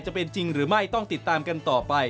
จะเป็นจริงหรือไม่ต้องติดตามกันต่อไป